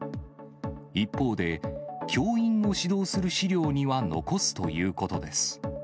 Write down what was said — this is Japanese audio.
一方で、教員を指導する資料には残すということです。